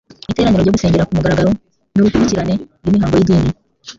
Iteraniro ryo gusengera ku mugaragaro n'urukurikirane rw'imihango y'idini,